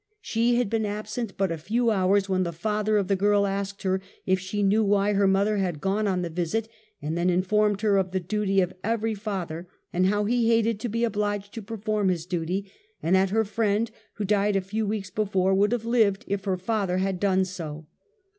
She had been absent but a few hours when the father of the girl asked her if she knew why her mother had gone on the visit, and then informed her of the duty of every father; and how he hated to be obliged to performx his duty; and that her friend, who died a few weeks before, would have lived if her father had done so.